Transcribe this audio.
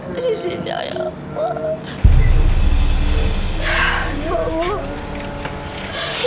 di sisinya ya allah